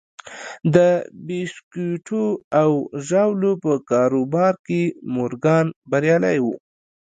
د بیسکويټو او ژاولو په کاروبار کې مورګان بریالی و